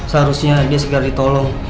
seharusnya dia segera ditolong